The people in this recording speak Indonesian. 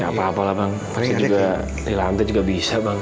apa apa lah bang pasti juga di lantai juga bisa bang